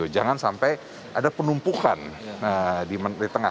jangan sampai ada penumpukan di tengah